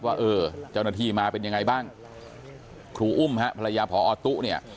ว่าเออเจ้าหน้าที่มาเป็นยังไงบ้างครูอุ้มฮะภรรยาพอตุ๊เนี่ย